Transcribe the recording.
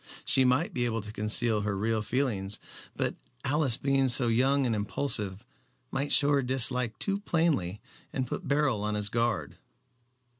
She might be able to conceal her real feelings, but Alice being so young and impulsive might show her dislike too plainly and put Beryl on his guard.